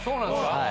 はい。